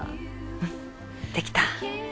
うんできた！